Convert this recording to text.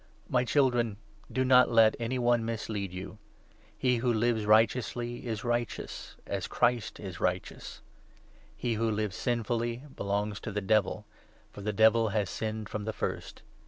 My Children, do not let any one mislead you. He who lives righteously is righteous — as Christ is righteous. He who lives sinfully belongs to the Devil, for the Devil has sinned from the first.